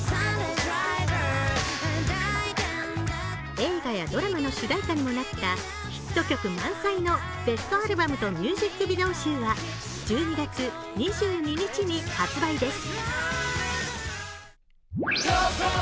映画やドラマの主題歌にもなったヒット曲満載のベストアルバムとミュージックビデオ集は１２月２２日に発売です。